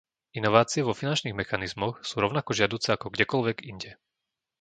Inovácie vo finančných mechanizmoch sú rovnako žiaduce ako kdekoľvek inde.